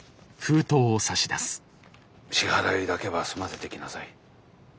支払いだけは済ませてきなさい。